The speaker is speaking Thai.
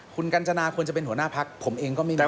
คุณกัญจนาควรจะเป็นหัวหน้าพักผมเองก็ไม่รู้